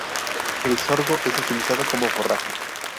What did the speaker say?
El sorgo es utilizado como forraje.